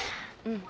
うん。